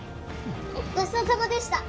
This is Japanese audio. ごちそうさまでした！